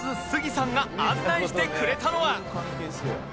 さんが案内してくれたのは